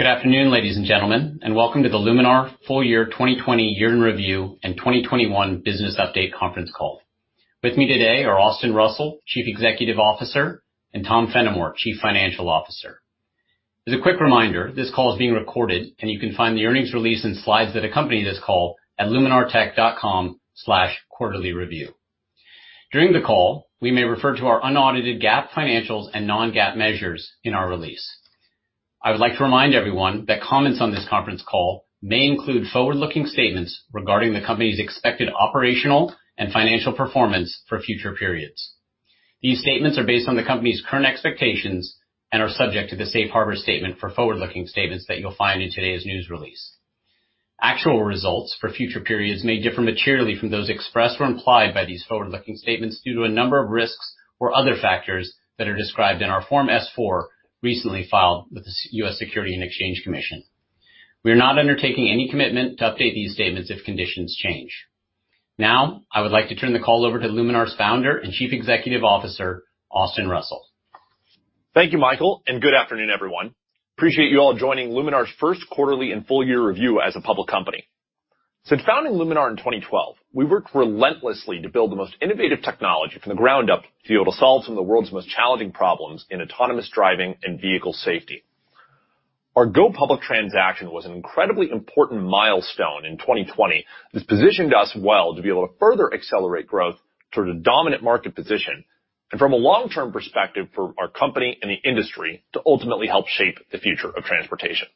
Good afternoon, ladies and gentlemen, and welcome to the Luminar Full Year 2020 Year in Review and 2021 Business Update Conference Call. With me today are Austin Russell, Chief Executive Officer, and Tom Fennimore, Chief Financial Officer. As a quick reminder, this call is being recorded, and you can find the earnings release and slides that accompany this call at luminartech.com/quarterlyreview. During the call, we may refer to our unaudited GAAP financials and non-GAAP measures in our release. I would like to remind everyone that comments on this conference call may include forward-looking statements regarding the company's expected operational and financial performance for future periods. These statements are based on the company's current expectations and are subject to the Safe Harbor Statement for forward-looking statements that you'll find in today's news release. Actual results for future periods may differ materially from those expressed or implied by these forward-looking statements due to a number of risks or other factors that are described in our Form S-4 recently filed with the U.S. Securities and Exchange Commission. We are not undertaking any commitment to update these statements if conditions change. Now, I would like to turn the call over to Luminar's Founder and Chief Executive Officer, Austin Russell. Thank you, Michael, and good afternoon, everyone. Appreciate you all joining Luminar's first quarterly and full-year review as a public company. Since founding Luminar in 2012, we've worked relentlessly to build the most innovative technology from the ground up to be able to solve some of the world's most challenging problems in autonomous driving and vehicle safety. Our Go Public transaction was an incredibly important milestone in 2020 that's positioned us well to be able to further accelerate growth toward a dominant market position and from a long-term perspective for our company and the industry to ultimately help shape the future of transportation.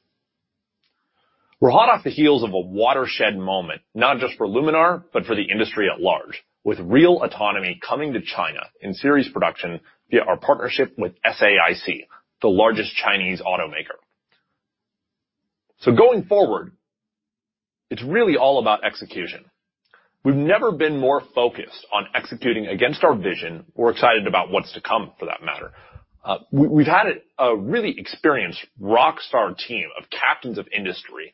We're hot off the heels of a watershed moment, not just for Luminar, but for the industry at large, with real autonomy coming to China in series production via our partnership with SAIC, the largest Chinese automaker. Going forward, it's really all about execution. We've never been more focused on executing against our vision or excited about what's to come, for that matter. We've had a really experienced rock star team of captains of industry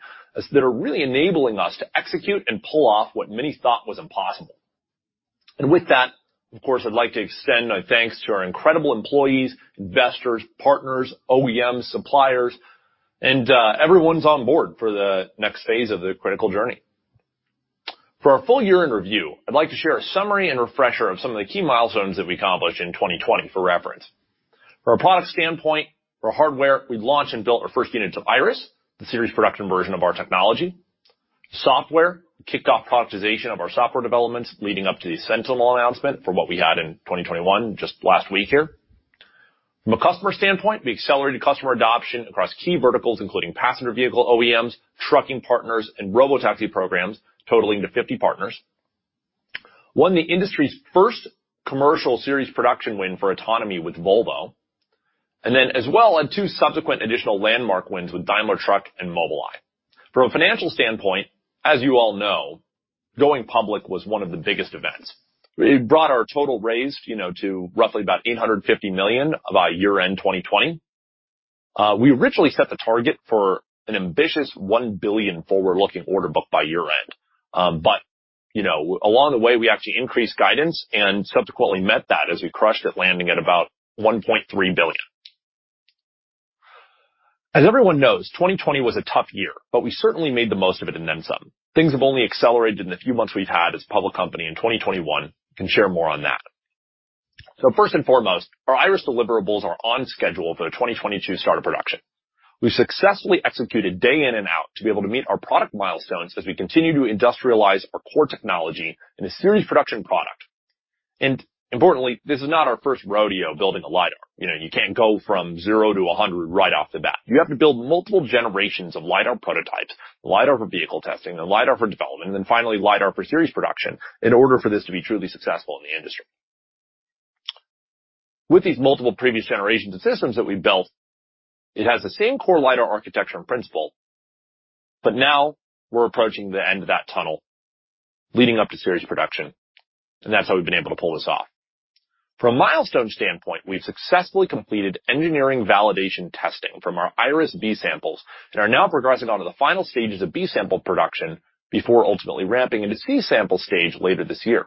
that are really enabling us to execute and pull off what many thought was impossible. With that, of course, I'd like to extend my thanks to our incredible employees, investors, partners, OEMs, suppliers, and everyone's on board for the next phase of the critical journey. For our full year in review, I'd like to share a summary and refresher of some of the key milestones that we accomplished in 2020 for reference. From a product standpoint, for hardware, we launched and built our first unit of Iris, the series production version of our technology. Software, we kicked off productization of our software developments leading up to the Sentinel announcement for what we had in 2021, just last week here. From a customer standpoint, we accelerated customer adoption across key verticals, including passenger vehicle OEMs, trucking partners, and robotaxi programs, totaling to 50 partners. We won the industry's first commercial series production win for autonomy with Volvo, and then as well had two subsequent additional landmark wins with Daimler Truck and Mobileye. From a financial standpoint, as you all know, Going Public was one of the biggest events. We brought our total raised, you know, to roughly about $850 million by year-end 2020. We originally set the target for an ambitious $1 billion forward-looking order book by year-end, but, you know, along the way, we actually increased guidance and subsequently met that as we crushed it, landing at about $1.3 billion. As everyone knows, 2020 was a tough year, but we certainly made the most of it and then some. Things have only accelerated in the few months we've had as a public company in 2021. I can share more on that. First and foremost, our Iris deliverables are on schedule for the 2022 start of production. We've successfully executed day in and out to be able to meet our product milestones as we continue to industrialize our core technology in a series production product. Importantly, this is not our first rodeo building a LiDAR. You know, you can't go from zero to 100 right off the bat. You have to build multiple generations of LiDAR prototypes, LiDAR for vehicle testing, then LiDAR for development, and then finally LiDAR for series production in order for this to be truly successful in the industry. With these multiple previous generations of systems that we built, it has the same core LiDAR architecture and principle, but now we're approaching the end of that tunnel leading up to series production, and that's how we've been able to pull this off. From a milestone standpoint, we've successfully completed engineering validation testing from our Iris B-samples and are now progressing on to the final stages of B-sample production before ultimately ramping into C-sample stage later this year.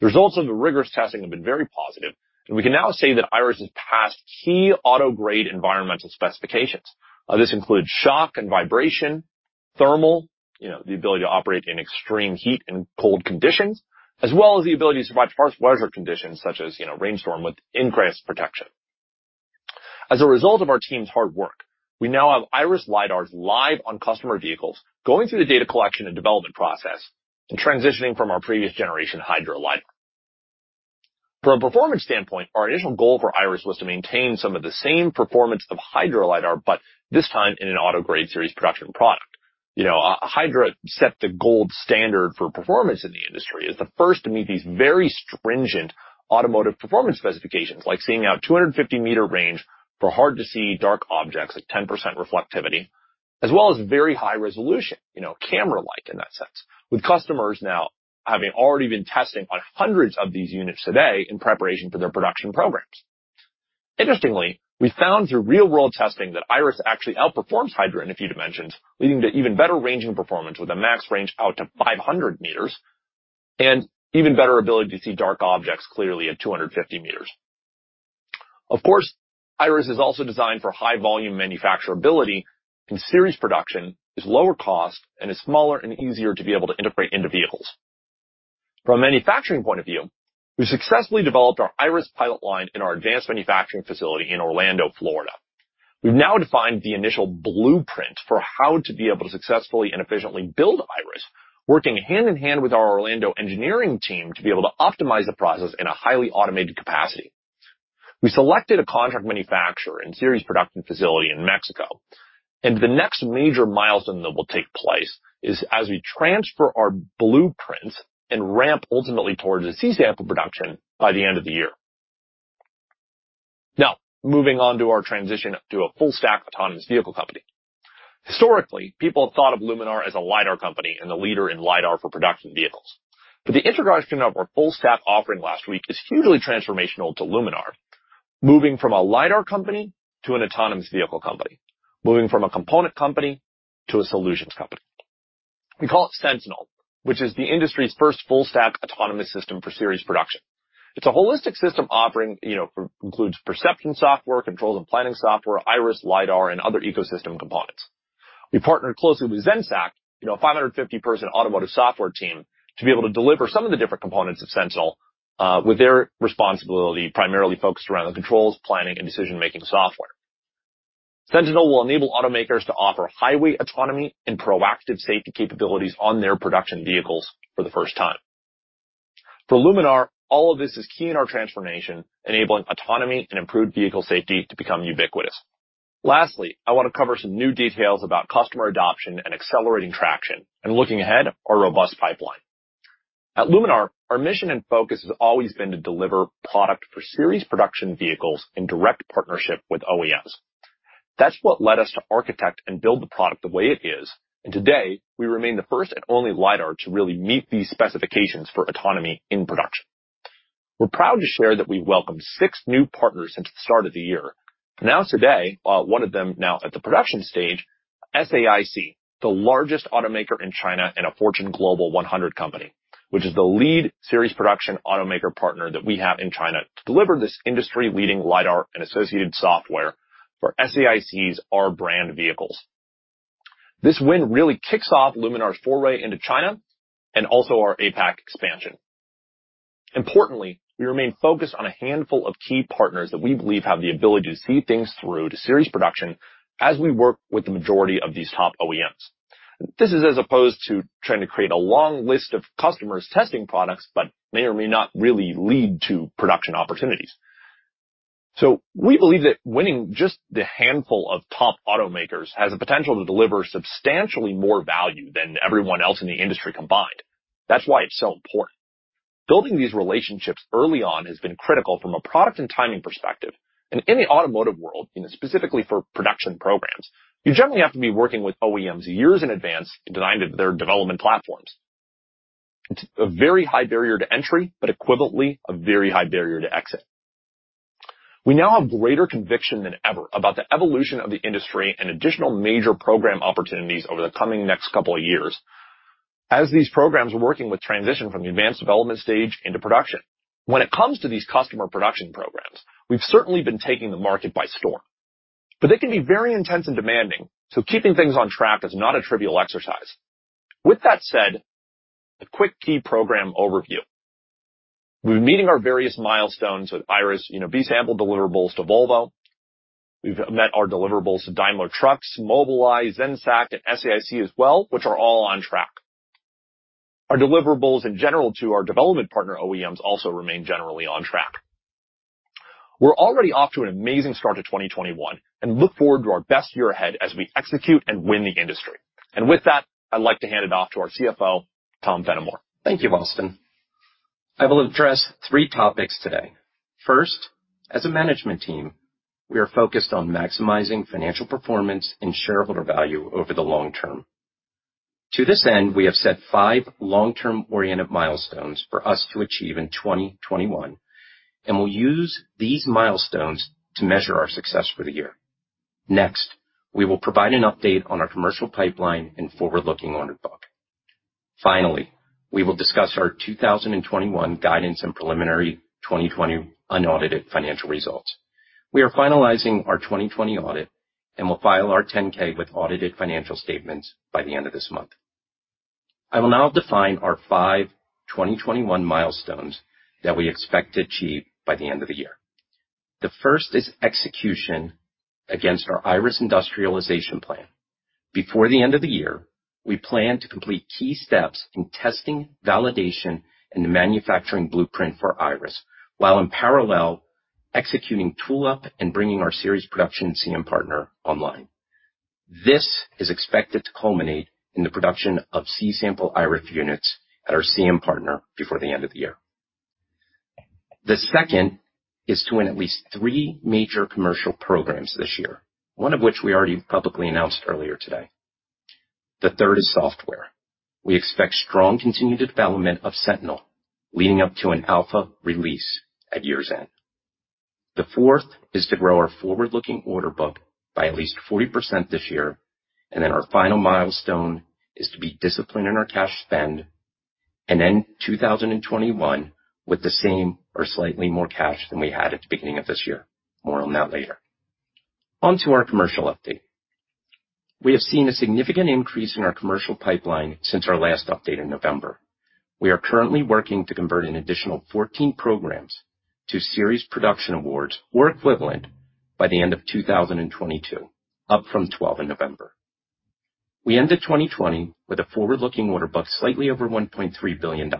The results of the rigorous testing have been very positive, and we can now say that Iris has passed key auto-grade environmental specifications. This includes shock and vibration, thermal, you know, the ability to operate in extreme heat and cold conditions, as well as the ability to survive harsh weather conditions such as, you know, rainstorm with increased protection. As a result of our team's hard work, we now have Iris LiDARs live on customer vehicles going through the data collection and development process and transitioning from our previous generation Hydra LiDAR. From a performance standpoint, our initial goal for Iris was to maintain some of the same performance of Hydra LiDAR, but this time in an auto-grade series production product. You know, Hydra set the gold standard for performance in the industry as the first to meet these very stringent automotive performance specifications, like seeing out 250-meter range for hard-to-see dark objects at 10% reflectivity, as well as very high resolution, you know, camera-like in that sense, with customers now having already been testing on hundreds of these units today in preparation for their production programs. Interestingly, we found through real-world testing that Iris actually outperforms Hydra in a few dimensions, leading to even better ranging performance with a max range out to 500 meters and even better ability to see dark objects clearly at 250 meters. Of course, Iris is also designed for high-volume manufacturability and series production is lower cost and is smaller and easier to be able to integrate into vehicles. From a manufacturing point of view, we've successfully developed our Iris pilot line in our advanced manufacturing facility in Orlando, Florida. We've now defined the initial blueprint for how to be able to successfully and efficiently build Iris, working hand in hand with our Orlando engineering team to be able to optimize the process in a highly automated capacity. We selected a contract manufacturer and series production facility in Mexico, and the next major milestone that will take place is as we transfer our blueprints and ramp ultimately towards a C-sample production by the end of the year. Now, moving on to our transition to a full-stack autonomous vehicle company. Historically, people have thought of Luminar as a LiDAR company and the leader in LiDAR for production vehicles, but the introduction of our full-stack offering last week is hugely transformational to Luminar, moving from a LiDAR company to an autonomous vehicle company, moving from a component company to a solutions company. We call it Sentinel, which is the industry's first full-stack autonomous system for series production. It is a holistic system offering, you know, includes perception software, controls and planning software, Iris, LiDAR, and other ecosystem components. We partnered closely with Zenseact, you know, a 550-person automotive software team to be able to deliver some of the different components of Sentinel with their responsibility primarily focused around the controls, planning, and decision-making software. Sentinel will enable automakers to offer highway autonomy and proactive safety capabilities on their production vehicles for the first time. For Luminar, all of this is key in our transformation, enabling autonomy and improved vehicle safety to become ubiquitous. Lastly, I want to cover some new details about customer adoption and accelerating traction, and looking ahead, our robust pipeline. At Luminar, our mission and focus has always been to deliver product for series production vehicles in direct partnership with OEMs. That's what led us to architect and build the product the way it is, and today we remain the first and only LiDAR to really meet these specifications for autonomy in production. We're proud to share that we welcomed six new partners since the start of the year, announced today, one of them now at the production stage, SAIC, the largest automaker in China and a Fortune Global 100 company, which is the lead series production automaker partner that we have in China to deliver this industry-leading LiDAR and associated software for SAIC's R brand vehicles. This win really kicks off Luminar's foray into China and also our APAC expansion. Importantly, we remain focused on a handful of key partners that we believe have the ability to see things through to series production as we work with the majority of these top OEMs. This is as opposed to trying to create a long list of customers testing products, but may or may not really lead to production opportunities. We believe that winning just the handful of top automakers has the potential to deliver substantially more value than everyone else in the industry combined. That's why it's so important. Building these relationships early on has been critical from a product and timing perspective, and in the automotive world, you know, specifically for production programs, you generally have to be working with OEMs years in advance and design their development platforms. It's a very high barrier to entry, but equivalently a very high barrier to exit. We now have greater conviction than ever about the evolution of the industry and additional major program opportunities over the coming next couple of years as these programs are working with transition from the advanced development stage into production. When it comes to these customer production programs, we've certainly been taking the market by storm, but they can be very intense and demanding, so keeping things on track is not a trivial exercise. With that said, a quick key program overview. We're meeting our various milestones with Iris, you know, B-sample deliverables to Volvo. We've met our deliverables to Daimler Truck, Mobileye, Zenseact, and SAIC as well, which are all on track. Our deliverables in general to our development partner OEMs also remain generally on track. We're already off to an amazing start to 2021 and look forward to our best year ahead as we execute and win the industry. With that, I'd like to hand it off to our CFO, Tom Fenimore. Thank you, Austin. I will address three topics today. First, as a management team, we are focused on maximizing financial performance and shareholder value over the long term. To this end, we have set five long-term oriented milestones for us to achieve in 2021, and we'll use these milestones to measure our success for the year. Next, we will provide an update on our commercial pipeline and forward-looking order book. Finally, we will discuss our 2021 guidance and preliminary 2020 unaudited financial results. We are finalizing our 2020 audit and will file our 10-K with audited financial statements by the end of this month. I will now define our five 2021 milestones that we expect to achieve by the end of the year. The first is execution against our Iris industrialization plan. Before the end of the year, we plan to complete key steps in testing, validation, and the manufacturing blueprint for Iris while in parallel executing tool up and bringing our series production CM partner online. This is expected to culminate in the production of C-sample Iris units at our CM partner before the end of the year. The second is to win at least three major commercial programs this year, one of which we already publicly announced earlier today. The third is software. We expect strong continued development of Sentinel leading up to an alpha release at year's end. The fourth is to grow our forward-looking order book by at least 40% this year, and then our final milestone is to be disciplined in our cash spend and end 2021 with the same or slightly more cash than we had at the beginning of this year. More on that later. Onto our commercial update. We have seen a significant increase in our commercial pipeline since our last update in November. We are currently working to convert an additional 14 programs to series production awards or equivalent by the end of 2022, up from 12 in November. We ended 2020 with a forward-looking order book slightly over $1.3 billion, a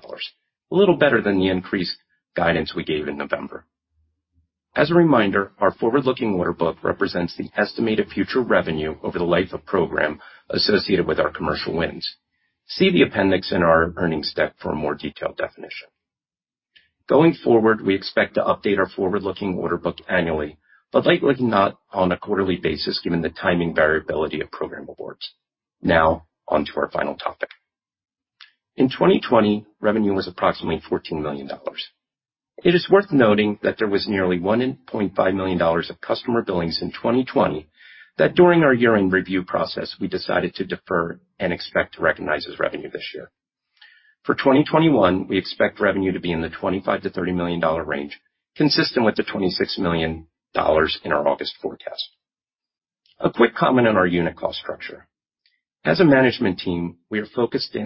little better than the increased guidance we gave in November. As a reminder, our forward-looking order book represents the estimated future revenue over the life of programs associated with our commercial wins. See the appendix in our earnings deck for a more detailed definition. Going forward, we expect to update our forward-looking order book annually, but likely not on a quarterly basis given the timing variability of program awards. Now, onto our final topic. In 2020, revenue was approximately $14 million. It is worth noting that there was nearly $1.5 million of customer billings in 2020 that during our year-end review process, we decided to defer and expect to recognize as revenue this year. For 2021, we expect revenue to be in the $25-$30 million range, consistent with the $26 million in our August forecast. A quick comment on our unit cost structure. As a management team, we are focused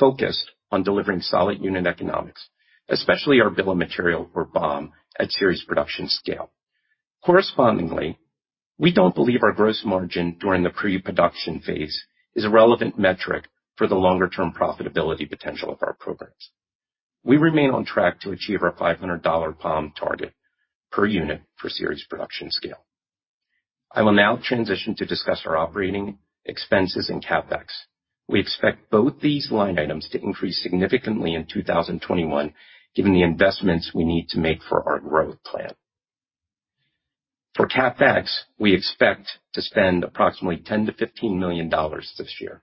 on delivering solid unit economics, especially our bill of material or BOM at series production scale. Correspondingly, we do not believe our gross margin during the pre-production phase is a relevant metric for the longer-term profitability potential of our programs. We remain on track to achieve our $500 BOM target per unit for series production scale. I will now transition to discuss our operating expenses and CapEx. We expect both these line items to increase significantly in 2021 given the investments we need to make for our growth plan. For CapEx, we expect to spend approximately $10-$15 million this year.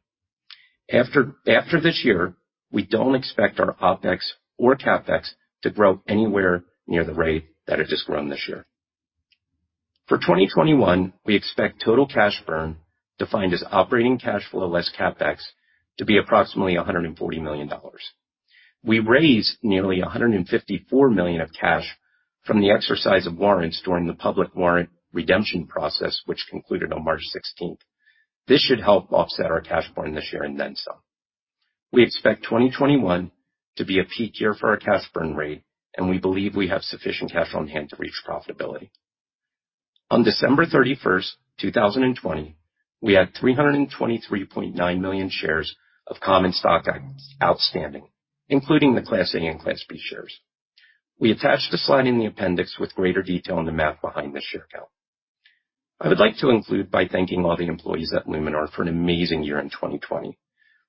After this year, we do not expect our OpEx or CapEx to grow anywhere near the rate that it has grown this year. For 2021, we expect total cash burn defined as operating cash flow less CapEx to be approximately $140 million. We raised nearly $154 million of cash from the exercise of warrants during the public warrant redemption process, which concluded on March 16th. This should help offset our cash burn this year and then some. We expect 2021 to be a peak year for our cash burn rate, and we believe we have sufficient cash on hand to reach profitability. On December 31st, 2020, we had $323.9 million shares of common stock outstanding, including the Class A and Class B shares. We attached a slide in the appendix with greater detail on the math behind this share count. I would like to include by thanking all the employees at Luminar for an amazing year in 2020.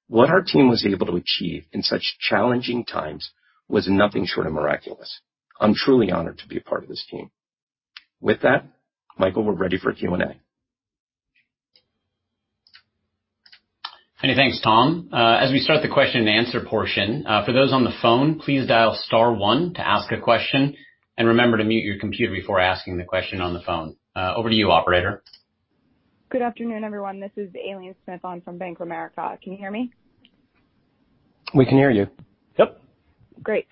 What our team was able to achieve in such challenging times was nothing short of miraculous. I'm truly honored to be a part of this team. With that, Michael, we're ready for Q&A. Many thanks, Tom. As we start the question and answer portion, for those on the phone, please dial star one to ask a question and remember to mute your computer before asking the question on the phone. Over to you, operator. Good afternoon, everyone. This is Aileen Smith on from Bank of America. Can you hear me? We can hear you. Yep. Great.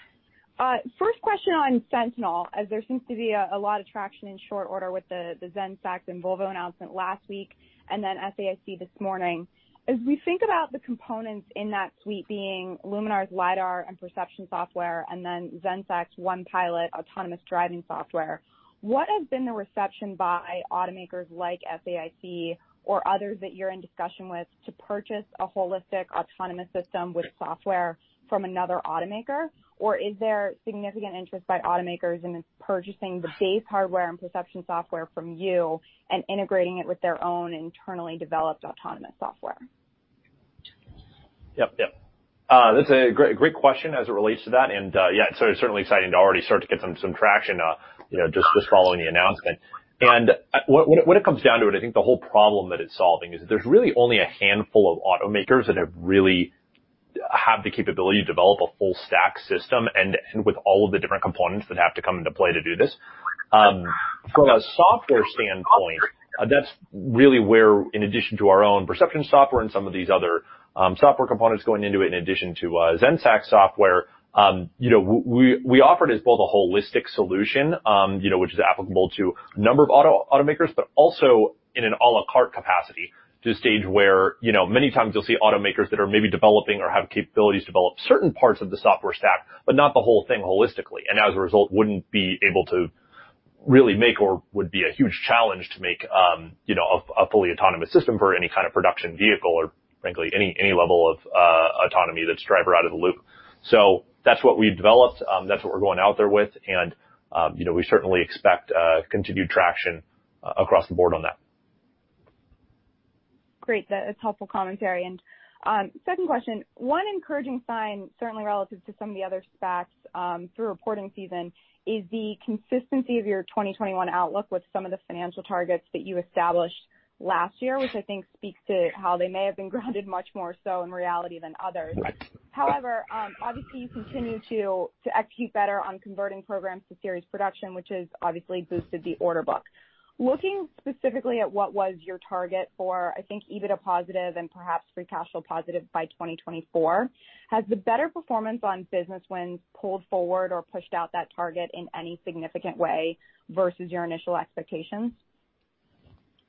First question on Sentinel, as there seems to be a lot of traction in short order with the Zenseact and Volvo announcement last week and then SAIC this morning. As we think about the components in that suite being Luminar's LiDAR and perception software and then Zenseact One Pilot autonomous driving software, what has been the reception by automakers like SAIC or others that you're in discussion with to purchase a holistic autonomous system with software from another automaker? Or is there significant interest by automakers in purchasing the base hardware and perception software from you and integrating it with their own internally developed autonomous software? Yep, yep. That's a great question as it relates to that, and yeah, it's certainly exciting to already start to get some traction, you know, just following the announcement. What it comes down to, and I think the whole problem that it's solving is that there's really only a handful of automakers that have really had the capability to develop a full-stack system and with all of the different components that have to come into play to do this. From a software standpoint, that's really where, in addition to our own perception software and some of these other software components going into it, in addition to Zenseact software, you know, we offer it as both a holistic solution, you know, which is applicable to a number of automakers, but also in an à la carte capacity to a stage where, you know, many times you'll see automakers that are maybe developing or have capabilities to develop certain parts of the software stack, but not the whole thing holistically. As a result, wouldn't be able to really make or would be a huge challenge to make, you know, a fully autonomous system for any kind of production vehicle or frankly any level of autonomy that's driver out of the loop. That's what we've developed. That's what we're going out there with, and you know, we certainly expect continued traction across the board on that. Great. That's helpful commentary. Second question, one encouraging sign, certainly relative to some of the other specs through reporting season, is the consistency of your 2021 outlook with some of the financial targets that you established last year, which I think speaks to how they may have been grounded much more so in reality than others. However, obviously you continue to execute better on converting programs to series production, which has obviously boosted the order book. Looking specifically at what was your target for, I think, EBITDA positive and perhaps free cash flow positive by 2024, has the better performance on business wins pulled forward or pushed out that target in any significant way versus your initial expectations?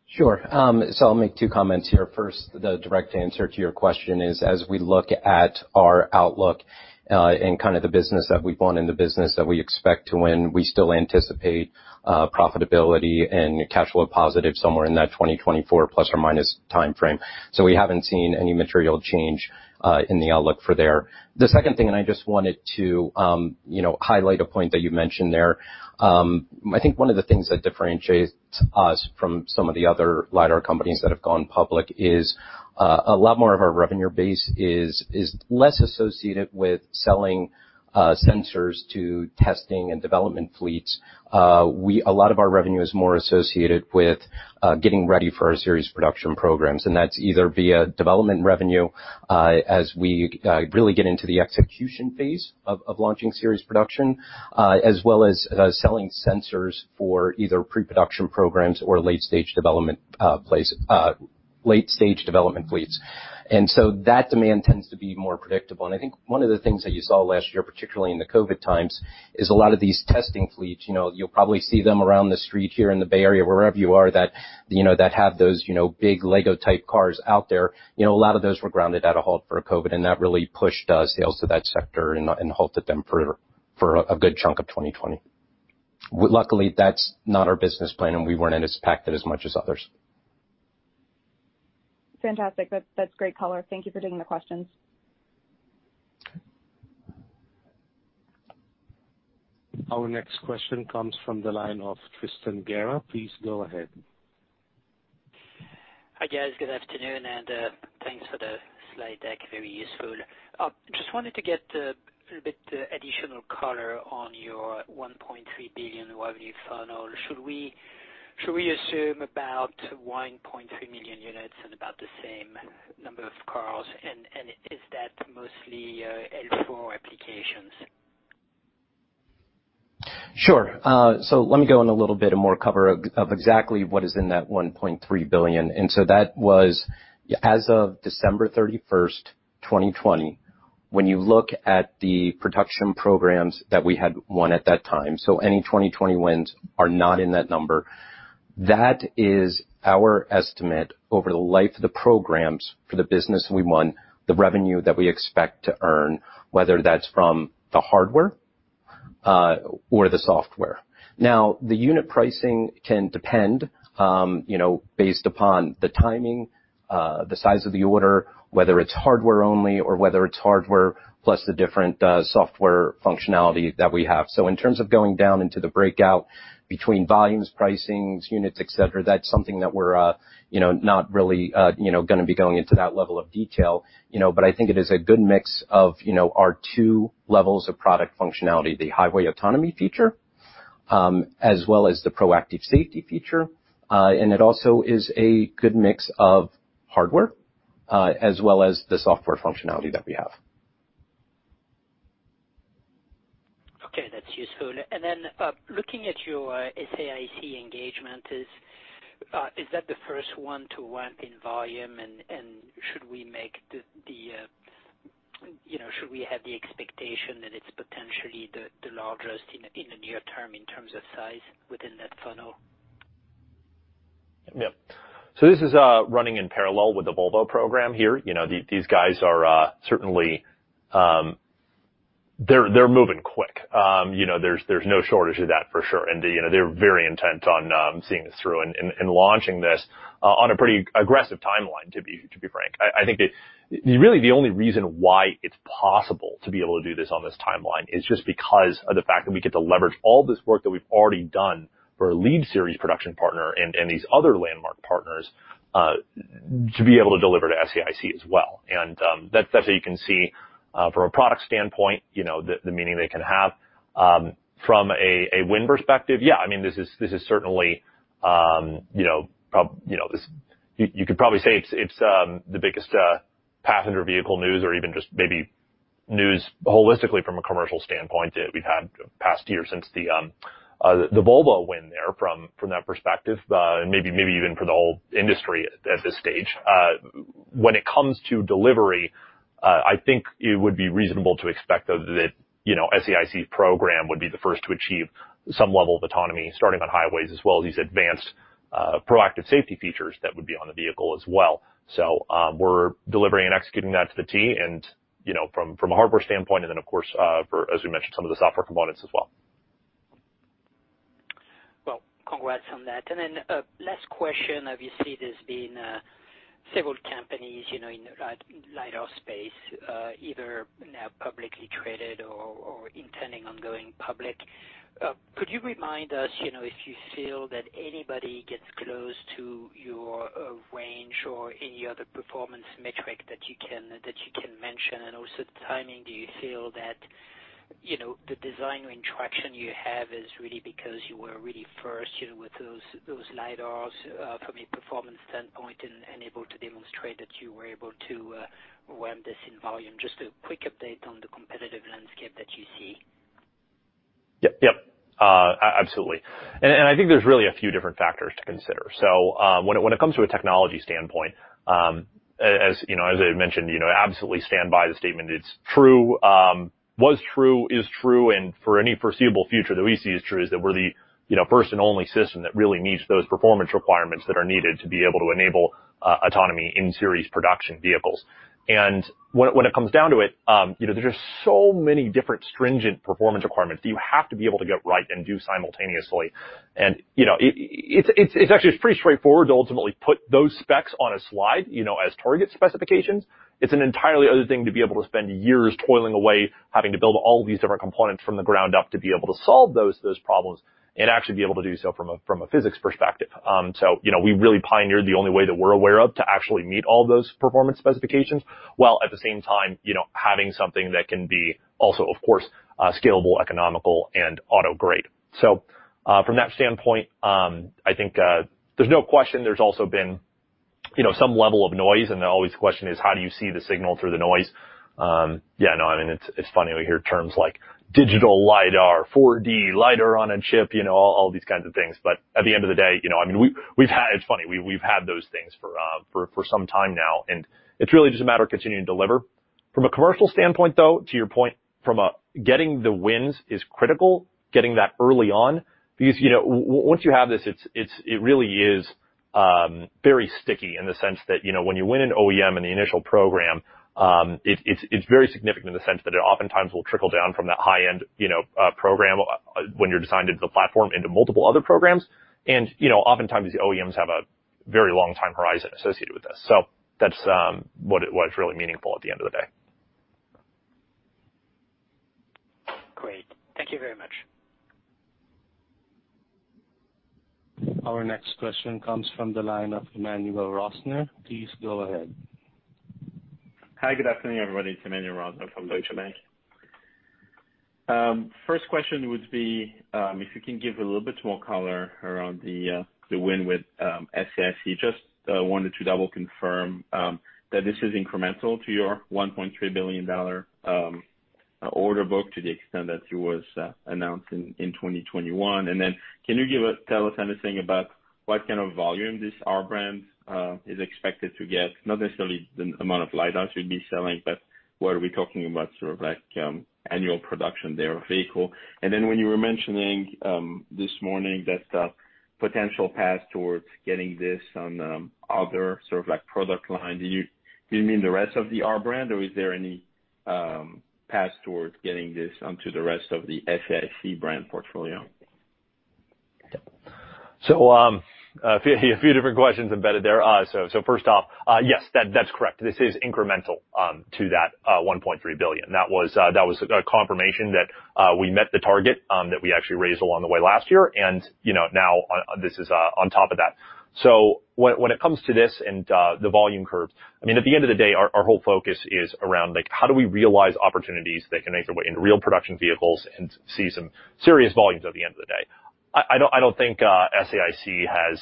Sure. I'll make two comments here. First, the direct answer to your question is, as we look at our outlook and kind of the business that we've won and the business that we expect to win, we still anticipate profitability and cash flow positive somewhere in that 2024 plus or minus timeframe. We haven't seen any material change in the outlook for there. The second thing, and I just wanted to, you know, highlight a point that you mentioned there. I think one of the things that differentiates us from some of the other LiDAR companies that have gone public is a lot more of our revenue base is less associated with selling sensors to testing and development fleets. A lot of our revenue is more associated with getting ready for our series production programs, and that's either via development revenue as we really get into the execution phase of launching series production, as well as selling sensors for either pre-production programs or late-stage development fleets. That demand tends to be more predictable. I think one of the things that you saw last year, particularly in the COVID times, is a lot of these testing fleets, you know, you'll probably see them around the street here in the Bay Area, wherever you are, that, you know, that have those, you know, big LEGO-type cars out there. A lot of those were grounded at a halt for COVID, and that really pushed sales to that sector and halted them for a good chunk of 2020. Luckily, that's not our business plan, and we weren't anticipating it as much as others. Fantastic. That's great color. Thank you for taking the questions. Our next question comes from the line of Tristan Gerra. Please go ahead. Hi, guys. Good afternoon, and thanks for the slide deck. Very useful. Just wanted to get a little bit additional color on your $1.3 billion revenue funnel. Should we assume about 1.3 million units and about the same number of cars, and is that mostly L4 applications? Sure. Let me go in a little bit and more cover of exactly what is in that $1.3 billion. That was as of December 31st, 2020, when you look at the production programs that we had won at that time. Any 2020 wins are not in that number. That is our estimate over the life of the programs for the business we won, the revenue that we expect to earn, whether that's from the hardware or the software. Now, the unit pricing can depend, you know, based upon the timing, the size of the order, whether it's hardware only or whether it's hardware plus the different software functionality that we have. In terms of going down into the breakout between volumes, pricings, units, etc., that's something that we're, you know, not really, you know, going to be going into that level of detail, you know, but I think it is a good mix of, you know, our two levels of product functionality, the highway autonomy feature as well as the proactive safety feature. It also is a good mix of hardware as well as the software functionality that we have. Okay. That's useful. Then looking at your SAIC engagement, is that the first one to ramp in volume, and should we make the, you know, should we have the expectation that it's potentially the largest in the near term in terms of size within that funnel? Yep. This is running in parallel with the Volvo program here. You know, these guys are certainly, they're moving quick. You know, there's no shortage of that for sure. You know, they're very intent on seeing this through and launching this on a pretty aggressive timeline, to be frank. I think really the only reason why it's possible to be able to do this on this timeline is just because of the fact that we get to leverage all this work that we've already done for a lead series production partner and these other landmark partners to be able to deliver to SAIC as well. That's how you can see from a product standpoint, you know, the meaning they can have. From a win perspective, yeah, I mean, this is certainly, you know, you could probably say it's the biggest passenger vehicle news or even just maybe news holistically from a commercial standpoint that we've had past year since the Volvo win there from that perspective, and maybe even for the whole industry at this stage. When it comes to delivery, I think it would be reasonable to expect that, you know, SAIC's program would be the first to achieve some level of autonomy starting on highways as well as these advanced proactive safety features that would be on the vehicle as well. We're delivering and executing that to the T and, you know, from a hardware standpoint and then, of course, as we mentioned, some of the software components as well. Congrats on that. Then last question, obviously, there's been several companies, you know, in the LiDAR space, either now publicly traded or intending on going public. Could you remind us, you know, if you feel that anybody gets close to your range or any other performance metric that you can mention? Also timing, do you feel that, you know, the design interaction you have is really because you were really first, you know, with those LiDARs from a performance standpoint and able to demonstrate that you were able to ramp this in volume? Just a quick update on the competitive landscape that you see. Yep, yep. Absolutely. I think there's really a few different factors to consider. When it comes to a technology standpoint, as you know, as I mentioned, you know, absolutely stand by the statement it's true, was true, is true, and for any foreseeable future that we see as true is that we're the, you know, first and only system that really meets those performance requirements that are needed to be able to enable autonomy in series production vehicles. When it comes down to it, you know, there's just so many different stringent performance requirements that you have to be able to get right and do simultaneously. You know, it's actually pretty straightforward to ultimately put those specs on a slide, you know, as target specifications. It's an entirely other thing to be able to spend years toiling away, having to build all these different components from the ground up to be able to solve those problems and actually be able to do so from a physics perspective. You know, we really pioneered the only way that we're aware of to actually meet all those performance specifications while at the same time, you know, having something that can be also, of course, scalable, economical, and auto-grade. From that standpoint, I think there's no question there's also been, you know, some level of noise, and always the question is, how do you see the signal through the noise? Yeah, no, I mean, it's funny we hear terms like digital LiDAR, 4D, LiDAR on a chip, you know, all these kinds of things. At the end of the day, you know, I mean, we've had, it's funny, we've had those things for some time now, and it's really just a matter of continuing to deliver. From a commercial standpoint, though, to your point, getting the wins is critical, getting that early on, because, you know, once you have this, it really is very sticky in the sense that, you know, when you win an OEM in the initial program, it's very significant in the sense that it oftentimes will trickle down from that high-end, you know, program when you're designed into the platform into multiple other programs. You know, oftentimes the OEMs have a very long time horizon associated with this. That's what's really meaningful at the end of the day. Great. Thank you very much. Our next question comes from the line of Emmanuel Rosner. Please go ahead. Hi, good afternoon, everybody. It's Emmanuel Rosner from Deutsche Bank. First question would be if you can give a little bit more color around the win with SAIC. Just wanted to double confirm that this is incremental to your $1.3 billion order book to the extent that it was announced in 2021. Can you tell us anything about what kind of volume this R brand is expected to get, not necessarily the amount of LiDARs you'd be selling, but what are we talking about, sort of like annual production there of vehicle? When you were mentioning this morning that the potential path towards getting this on other sort of like product line, do you mean the rest of the R brand or is there any path towards getting this onto the rest of the SAIC brand portfolio? A few different questions embedded there. First off, yes, that's correct. This is incremental to that $1.3 billion. That was a confirmation that we met the target that we actually raised along the way last year, and, you know, now this is on top of that. When it comes to this and the volume curves, I mean, at the end of the day, our whole focus is around like how do we realize opportunities that can make their way into real production vehicles and see some serious volumes at the end of the day. I do not think SAIC has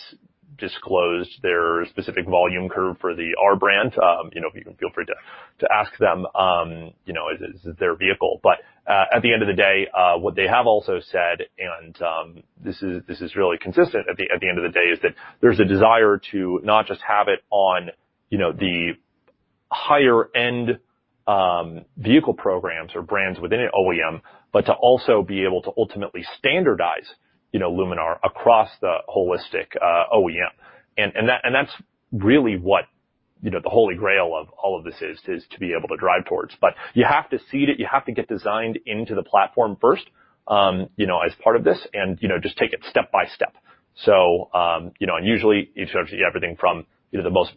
disclosed their specific volume curve for the R brand. You know, you can feel free to ask them, you know, is it their vehicle. At the end of the day, what they have also said, and this is really consistent at the end of the day, is that there's a desire to not just have it on, you know, the higher-end vehicle programs or brands within an OEM, but to also be able to ultimately standardize, you know, Luminar across the holistic OEM. That's really what, you know, the holy grail of all of this is to be able to drive towards. You have to seed it, you have to get designed into the platform first, you know, as part of this, and, you know, just take it step by step. You know, and usually you start to see everything from, you know, the most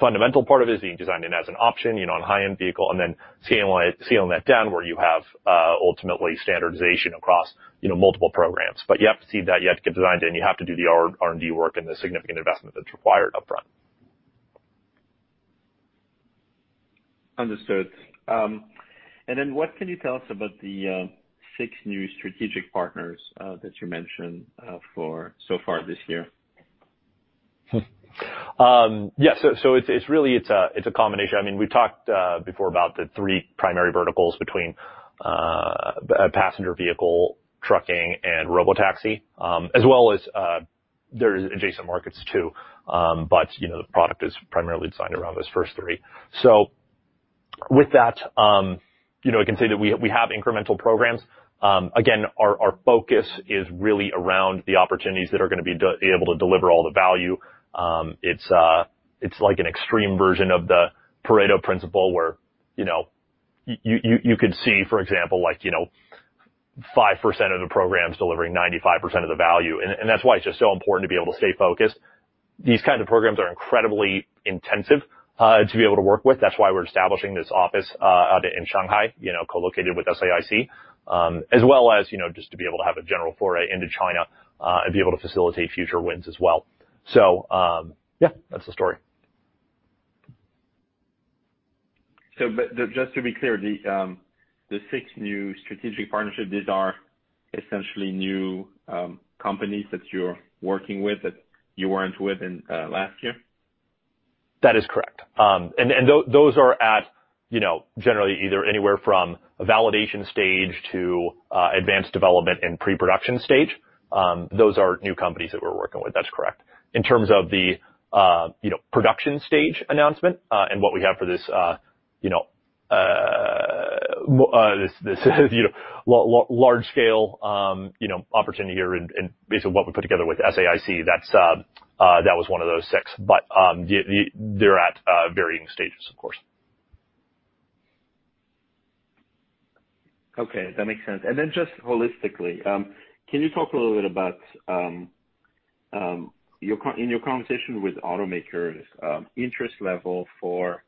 fundamental part of it is being designed in as an option, you know, on high-end vehicle, and then scaling that down where you have ultimately standardization across, you know, multiple programs. You have to seed that, you have to get designed, and you have to do the R&D work and the significant investment that's required upfront. Understood. What can you tell us about the six new strategic partners that you mentioned for so far this year? Yeah. It is really, it is a combination. I mean, we have talked before about the three primary verticals between passenger vehicle, trucking, and robotaxi, as well as there are adjacent markets too, but, you know, the product is primarily designed around those first three. With that, you know, I can say that we have incremental programs. Again, our focus is really around the opportunities that are going to be able to deliver all the value. It is like an extreme version of the Pareto principle where, you know, you could see, for example, like, you know, 5% of the programs delivering 95% of the value. That is why it is just so important to be able to stay focused. These kinds of programs are incredibly intensive to be able to work with. That's why we're establishing this office out in Shanghai, you know, co-located with SAIC, as well as, you know, just to be able to have a general foray into China and be able to facilitate future wins as well. Yeah, that's the story. Just to be clear, the six new strategic partnerships, these are essentially new companies that you're working with that you weren't with last year? That is correct. Those are at, you know, generally either anywhere from a validation stage to advanced development and pre-production stage. Those are new companies that we're working with. That's correct. In terms of the, you know, production stage announcement and what we have for this, you know, this, you know, large-scale, you know, opportunity here and basically what we put together with SAIC, that was one of those six. They are at varying stages, of course. Okay. That makes sense. Can you talk a little bit about, in your conversation with automakers, interest level for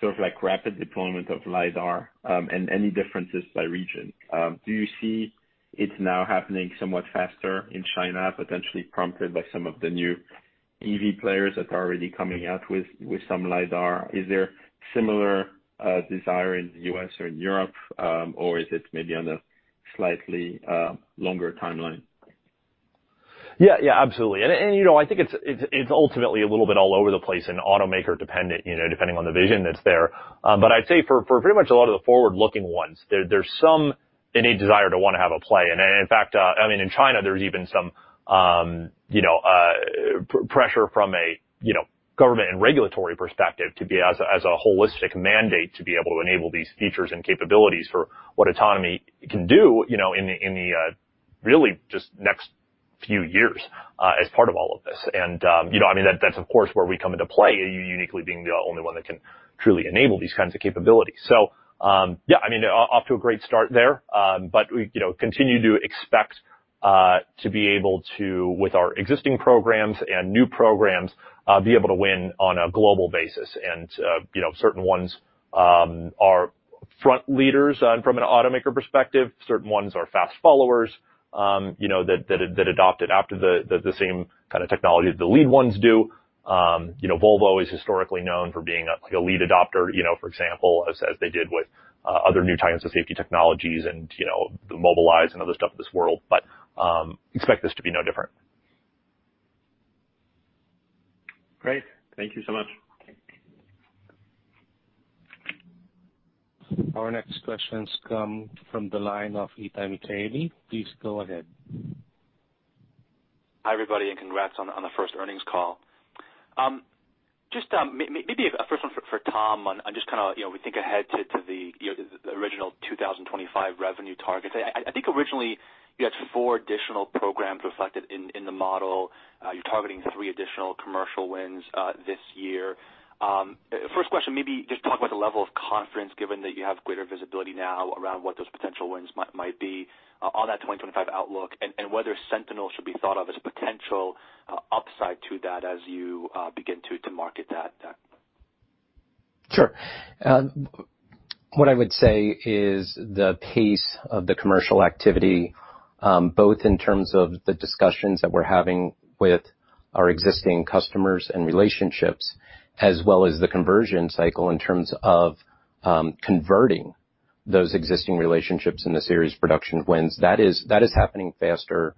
sort of like rapid deployment of LiDAR and any differences by region? Do you see it now happening somewhat faster in China, potentially prompted by some of the new EV players that are already coming out with some LiDAR? Is there similar desire in the U.S. or in Europe, or is it maybe on a slightly longer timeline? Yeah, yeah, absolutely. You know, I think it's ultimately a little bit all over the place and automaker-dependent, you know, depending on the vision that's there. I'd say for pretty much a lot of the forward-looking ones, there's some innate desire to want to have a play. In fact, I mean, in China, there's even some, you know, pressure from a, you know, government and regulatory perspective to be as a holistic mandate to be able to enable these features and capabilities for what autonomy can do, you know, in the really just next few years as part of all of this. You know, I mean, that's, of course, where we come into play, you uniquely being the only one that can truly enable these kinds of capabilities. Yeah, I mean, off to a great start there, but we, you know, continue to expect to be able to, with our existing programs and new programs, be able to win on a global basis. You know, certain ones are front leaders from an automaker perspective, certain ones are fast followers, you know, that adopted after the same kind of technology that the lead ones do. You know, Volvo is historically known for being like a lead adopter, you know, for example, as they did with other new types of safety technologies and, you know, the Mobileye and other stuff in this world. Expect this to be no different. Great. Thank you so much. Our next questions come from the line of Ethan [Terry] Please go ahead. Hi everybody and congrats on the first earnings call. Just maybe a first one for Tom on just kind of, you know, we think ahead to the original 2025 revenue targets. I think originally you had four additional programs reflected in the model. You're targeting three additional commercial wins this year. First question, maybe just talk about the level of confidence given that you have greater visibility now around what those potential wins might be on that 2025 outlook and whether Sentinel should be thought of as a potential upside to that as you begin to market that. Sure. What I would say is the pace of the commercial activity, both in terms of the discussions that we're having with our existing customers and relationships, as well as the conversion cycle in terms of converting those existing relationships into the series production wins, that is happening faster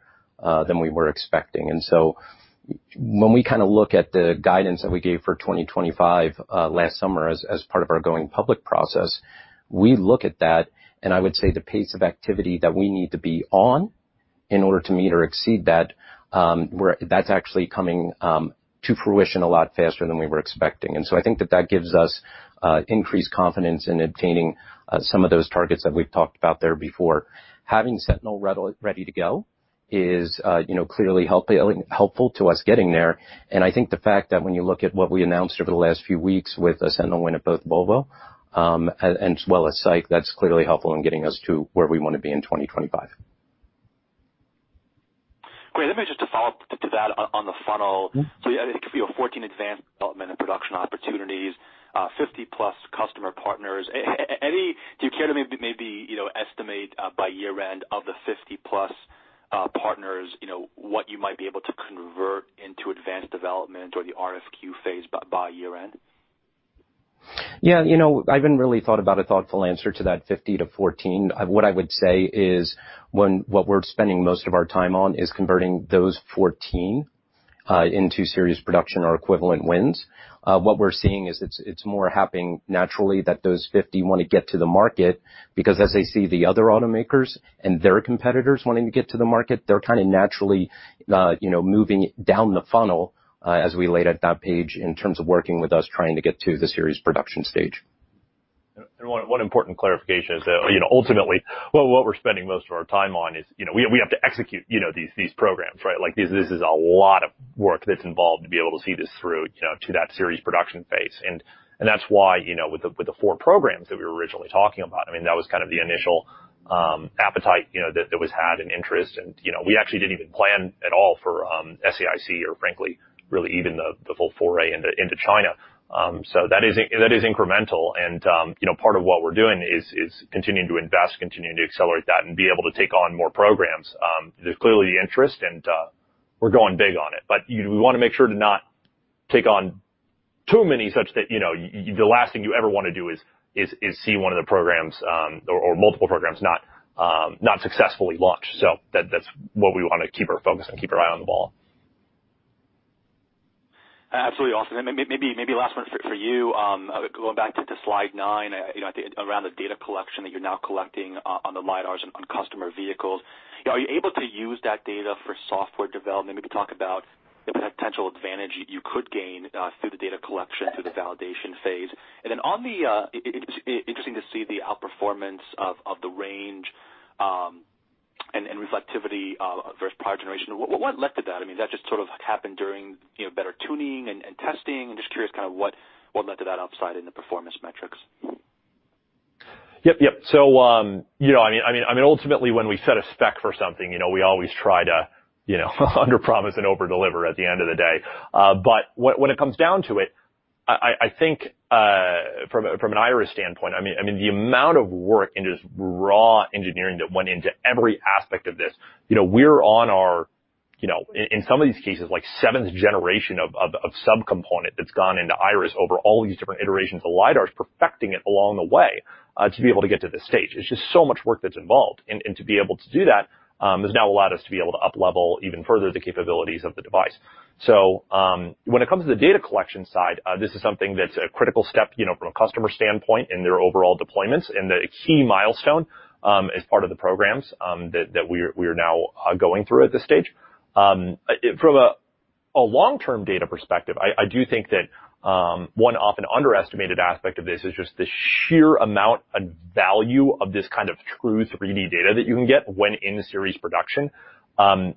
than we were expecting. When we kind of look at the guidance that we gave for 2025 last summer as part of our going public process, we look at that, and I would say the pace of activity that we need to be on in order to meet or exceed that, that's actually coming to fruition a lot faster than we were expecting. I think that that gives us increased confidence in obtaining some of those targets that we've talked about there before. Having Sentinel ready to go is, you know, clearly helpful to us getting there. I think the fact that when you look at what we announced over the last few weeks with a Sentinel win at both Volvo as well as SAIC, that's clearly helpful in getting us to where we want to be in 2025. Great. Let me just follow up to that on the funnel. So you have 14 advanced development and production opportunities, 50-plus customer partners. Do you care to maybe, you know, estimate by year-end of the 50-plus partners, you know, what you might be able to convert into advanced development or the RFQ phase by year-end? Yeah, you know, I have not really thought about a thoughtful answer to that 50 to 14. What I would say is when what we are spending most of our time on is converting those 14 into series production or equivalent wins, what we are seeing is it is more happening naturally that those 50 want to get to the market because as they see the other automakers and their competitors wanting to get to the market, they are kind of naturally, you know, moving down the funnel as we laid out that page in terms of working with us trying to get to the series production stage. One important clarification is that, you know, ultimately what we're spending most of our time on is, you know, we have to execute, you know, these programs, right? Like this is a lot of work that's involved to be able to see this through, you know, to that series production phase. That's why, you know, with the four programs that we were originally talking about, I mean, that was kind of the initial appetite, you know, that was had and interest. You know, we actually didn't even plan at all for SAIC or frankly, really even the full foray into China. That is incremental. You know, part of what we're doing is continuing to invest, continuing to accelerate that and be able to take on more programs. There's clearly interest and we're going big on it. We want to make sure to not take on too many such that, you know, the last thing you ever want to do is see one of the programs or multiple programs not successfully launched. That is what we want to keep our focus on, keep our eye on the ball. Absolutely, Austin. Maybe last one for you. Going back to slide nine, you know, around the data collection that you're now collecting on the LiDARs on customer vehicles. Are you able to use that data for software development? Maybe talk about the potential advantage you could gain through the data collection, through the validation phase. And then on the, it's interesting to see the outperformance of the range and reflectivity versus prior generation. What led to that? I mean, that just sort of happened during, you know, better tuning and testing. I'm just curious kind of what led to that upside in the performance metrics. Yep, yep. You know, I mean, ultimately when we set a spec for something, you know, we always try to, you know, underpromise and overdeliver at the end of the day. When it comes down to it, I think from an Iris standpoint, I mean, the amount of work and just raw engineering that went into every aspect of this, you know, we're on our, you know, in some of these cases, like seventh generation of subcomponent that's gone into Iris over all these different iterations of LiDARs, perfecting it along the way to be able to get to this stage. It's just so much work that's involved. To be able to do that has now allowed us to be able to uplevel even further the capabilities of the device. When it comes to the data collection side, this is something that's a critical step, you know, from a customer standpoint and their overall deployments. The key milestone as part of the programs that we are now going through at this stage. From a long-term data perspective, I do think that one often underestimated aspect of this is just the sheer amount and value of this kind of true 3D data that you can get when in series production.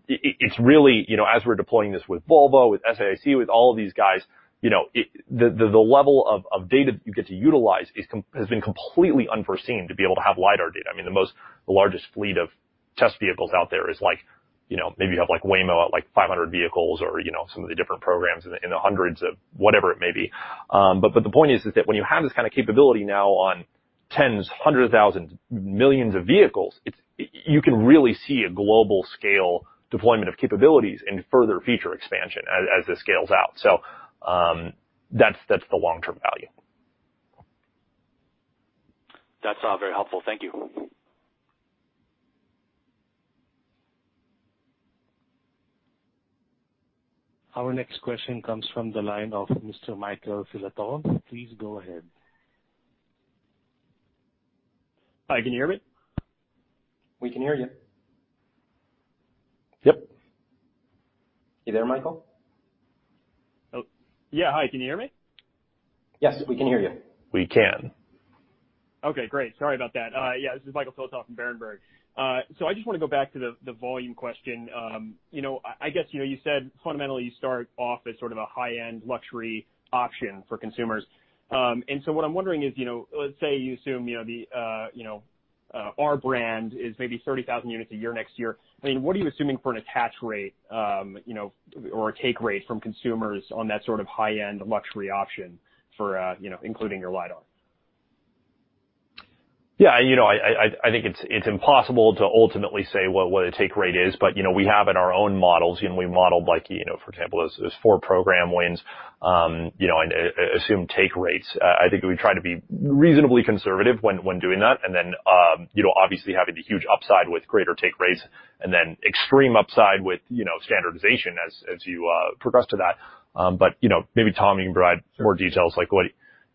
It's really, you know, as we're deploying this with Volvo, with SAIC, with all of these guys, you know, the level of data that you get to utilize has been completely unforeseen to be able to have LiDAR data. I mean, the largest fleet of test vehicles out there is like, you know, maybe you have like Waymo at like 500 vehicles or, you know, some of the different programs in the hundreds of whatever it may be. The point is that when you have this kind of capability now on tens, hundreds of thousands, millions of vehicles, you can really see a global scale deployment of capabilities and further feature expansion as it scales out. That is the long-term value. That's very helpful. Thank you. Our next question comes from the line of Mr. Michael Filatov. Please go ahead. Hi, can you hear me? We can hear you. Yep. You there, Michael? Yeah, hi. Can you hear me? Yes, we can hear you. We can. Okay. Great. Sorry about that. Yeah, this is Michael Filatov from Berenberg. I just want to go back to the volume question. You know, I guess, you know, you said fundamentally you start off as sort of a high-end luxury option for consumers. What I'm wondering is, you know, let's say you assume, you know, our brand is maybe 30,000 units a year next year. I mean, what are you assuming for an attach rate, you know, or a take rate from consumers on that sort of high-end luxury option for, you know, including your LiDAR? Yeah, you know, I think it's impossible to ultimately say what a take rate is. You know, we have in our own models, you know, we modeled like, you know, for example, those four program wins, you know, and assume take rates. I think we try to be reasonably conservative when doing that. You know, obviously having the huge upside with greater take rates and then extreme upside with, you know, standardization as you progress to that. You know, maybe Tom, you can provide more details like what,